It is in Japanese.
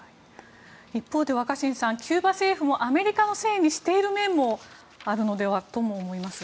一方で若新さんキューバ政府もアメリカのせいにしている面もあるのではと思いますが。